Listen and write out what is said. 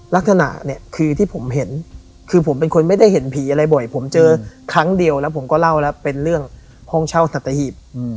ลักษณะเนี่ยคือที่ผมเห็นคือผมเป็นคนไม่ได้เห็นผีอะไรบ่อยผมเจอครั้งเดียวแล้วผมก็เล่าแล้วเป็นเรื่องห้องเช่าสัตหีบ